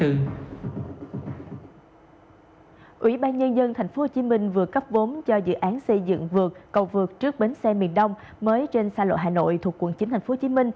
ủy ban nhân dân tp hcm vừa cấp vốn cho dự án xây dựng vượt cầu vượt trước bến xe miền đông mới trên xa lộ hà nội thuộc quận chín tp hcm